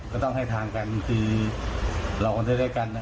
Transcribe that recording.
ก็ต้องให้ทางกันคือรอคนด้วยด้วยกันอ่ะ